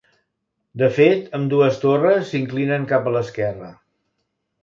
De fet, ambdues torres s'inclinen cap a l'esquerra.